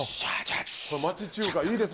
町中華、いいですね。